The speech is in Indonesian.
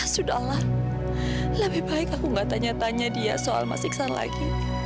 sudahlah lebih baik aku gak tanya tanya dia soal mas iksan lagi